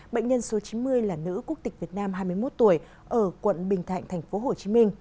bệnh nhân số chín mươi là nữ quốc tịch việt nam hai mươi một tuổi ở quận bình thạnh tp hcm